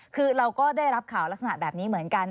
คือเราก็ได้รับข่าวลักษณะแบบนี้เหมือนกัน